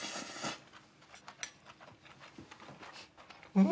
うん。